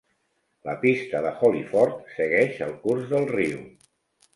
La pista de Hollyford segueix el curs del riu.